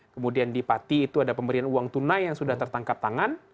kemudian di pati itu ada pemberian uang tunai yang sudah tertangkap tangan